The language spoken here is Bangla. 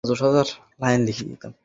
সব ঠিক হয়ে যাবে, সোনা।